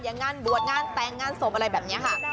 อย่างงานบวชงานแตงงานสมอะไรแบบนี้ค่ะ